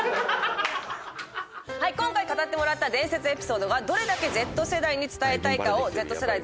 今回語ってもらった伝説エピソードがどれだけＺ世代に伝えたいかをＺ世代代表